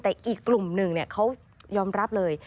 แต่อีกกลุ่มหนึ่งเขายอมรับเลย